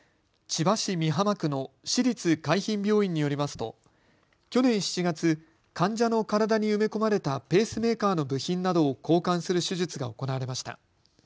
千葉市美浜区の市立海浜病院によりますと去年７月、患者の体に埋め込まれたペースメーカーの部品などを交換する手術が行われました。